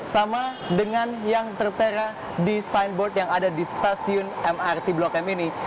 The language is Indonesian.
sama dengan yang tertera di signboard yang ada di stasiun mrt blok m ini